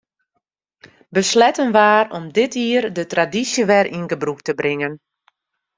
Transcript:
Besletten waard om dit jier de tradysje wer yn gebrûk te bringen.